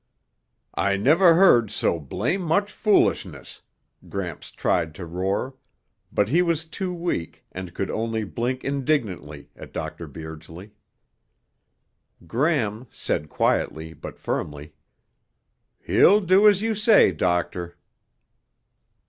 "I never heard so blame much foolishness!" Gramps tried to roar, but he was too weak and could only blink indignantly at Dr. Beardsley. Gram said quietly but firmly, "He'll do as you say, Doctor."